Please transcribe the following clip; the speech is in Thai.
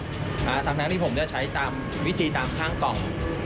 สำหรับที่ผมใช้ตามวิธีตามข้างกล่อง